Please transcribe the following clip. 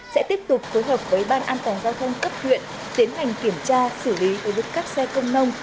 sẽ tiếp tục phối hợp với ban an toàn giao thông cấp huyện tiến hành kiểm tra xử lý đối với các xe công nông